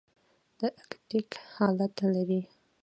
د اکتیت حالت لري.